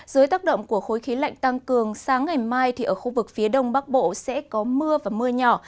dưới tác động của khối khí lạnh tăng cường sáng ngày mai thì ở khu vực phía đông bắc bộ sẽ có mưa và mưa nhỏ